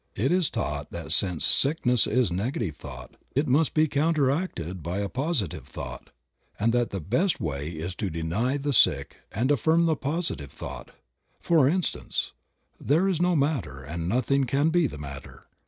It is taught that since sickness is negative thought, it must be counteracted by a positive thought, and that the best way is to deny t^e sick and affirm the positive thought; for instance, "There is no matter, and nothing can be the matter.